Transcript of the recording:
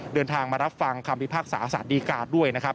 เดินทางมารับฟังคำพิพากษาสารดีการด้วยนะครับ